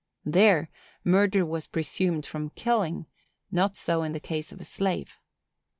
There, murder was presumed from killing; not so in the case of a slave.